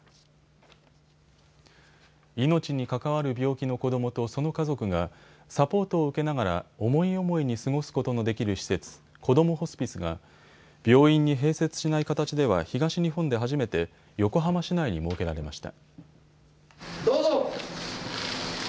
命に関わる病気の子どもとその家族がサポートを受けながら思い思いに過ごすことのできる施設、こどもホスピスが病院に併設しない形では東日本で初めて横浜市内に設けられました。